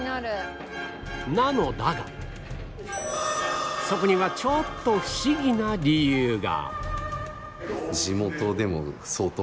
なのだがそこにはちょっとフシギな理由が